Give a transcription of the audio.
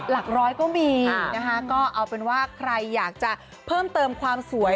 หลักร้อยก็มีนะคะก็เอาเป็นว่าใครอยากจะเพิ่มเติมความสวย